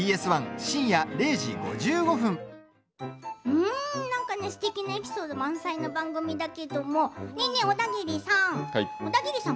うーん、すてきなエピソード満載の番組だけどもねえねえ、オダギリさん。